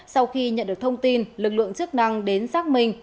sau khi nhận được thông tin lực lượng chức năng đến xác minh